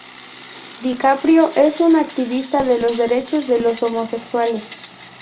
DiCaprio es un activista de los derechos de los homosexuales.